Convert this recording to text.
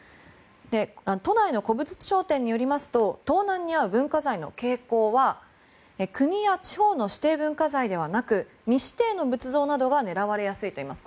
都内の古物商店によりますと盗難に遭う文化財の傾向は国や地方の指定文化財ではなく未指定の仏像などが狙われやすいといいます。